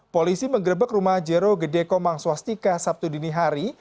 polisi menggerebek rumah jero gede komang swastika sabtu dinihari